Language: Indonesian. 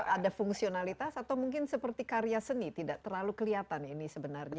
ada fungsionalitas atau mungkin seperti karya seni tidak terlalu kelihatan ini sebenarnya